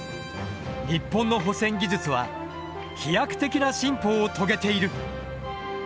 ニッポンの保線技術は飛躍的な進歩を遂げている。